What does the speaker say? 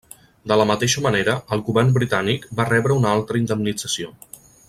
De la mateixa manera, el govern britànic va rebre una altra indemnització.